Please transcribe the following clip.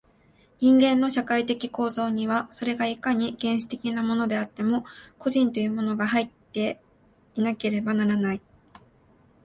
人間の社会的構造には、それがいかに原始的なものであっても、個人というものが入っていなければならない。